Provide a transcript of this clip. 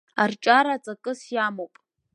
Арҿиара ҵакыс иамоуп…